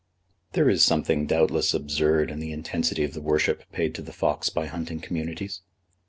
There is something doubtless absurd in the intensity of the worship paid to the fox by hunting communities.